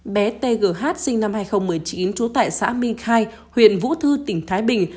bé tgh sinh năm hai nghìn một mươi chín trú tại xã minh khai huyện vũ thư tỉnh thái bình